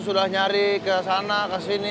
sudah nyari ke sana ke sini